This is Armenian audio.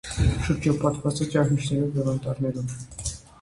Շրջապատված է ճահիճներով և անտառներով։